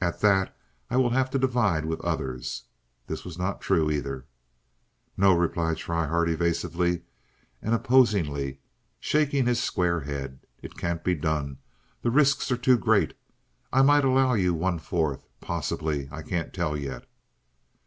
At that I will have to divide with others." (This was not true either.) "No," replied Schryhart, evasively and opposingly, shaking his square head. "It can't be done. The risks are too great. I might allow you one fourth, possibly—I can't tell yet."